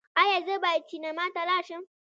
ایا زه باید سینما ته لاړ شم؟